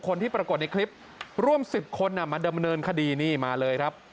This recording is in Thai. คนที่ปรากฏในคลิปร่วม๑๐คนมาดำเนินคดีนี่มาเลยครับ